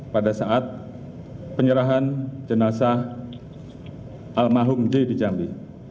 pada saat penyerahan jenazah al mahumji di jambi